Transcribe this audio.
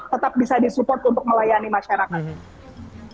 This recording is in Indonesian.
tetap bisa disupport untuk melayani masyarakat